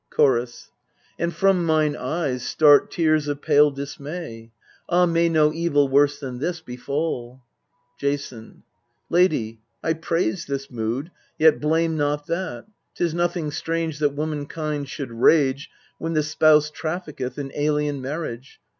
Chorus. And from mine eyes start tears of pale dismay. Ah, may no evil worse than this befall ! Jason. Lady, I praise this mood, yet blame not that : Tis nothing strange that womankind should rage When the spouse trafficketh in alien marriage.